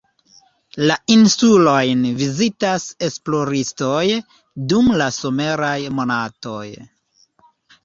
La insulojn vizitas esploristoj, dum la someraj monatoj.